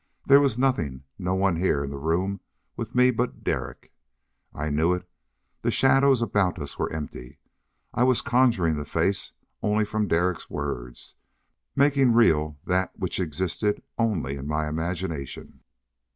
There was nothing, no one here in the room with me but Derek. I knew it. The shadows about us were empty. I was conjuring the face only from Derek's words, making real that which existed only in my imagination.